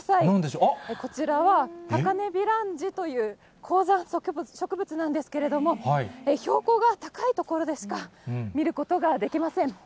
こちらはタカネビランジという高山植物なんですけれども、標高が高い所でしか見ることができません。